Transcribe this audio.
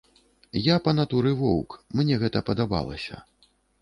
Я па натуры воўк, мне гэта падабалася.